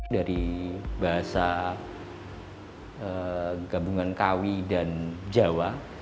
dari bahasa gabungan kawi dan jawa